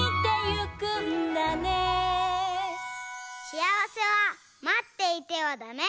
しあわせはまっていてはダメ！